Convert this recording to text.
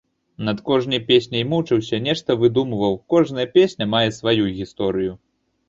Над кожнай песняй мучыўся, нешта выдумваў, кожная песня мае сваю гісторыю.